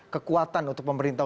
kekuatan untuk pemerintah